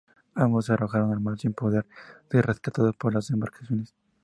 Ambos se arrojaron al mar sin poder ser rescatados por las embarcaciones.